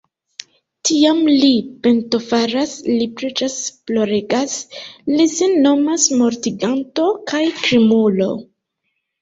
Tiam li pentofaras, li preĝas, ploregas, li sin nomas mortiganto kaj krimulo.